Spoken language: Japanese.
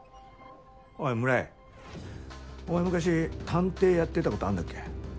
おい村井お前昔探偵やってたことあんだっけ？